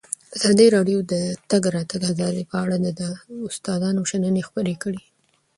ازادي راډیو د د تګ راتګ ازادي په اړه د استادانو شننې خپرې کړي.